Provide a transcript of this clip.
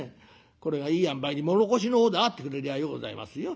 これがいいあんばいに唐土の方であってくれりゃようございますよ。